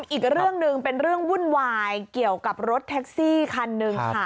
อีกเรื่องหนึ่งเป็นเรื่องวุ่นวายเกี่ยวกับรถแท็กซี่คันหนึ่งค่ะ